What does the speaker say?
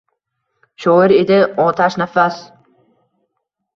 Shoir edi otashnafas